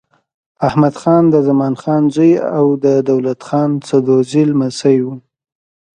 احمدخان د زمان خان زوی او د دولت خان سدوزايي لمسی و.